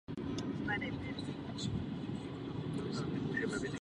Toto období mne osobně zajímá.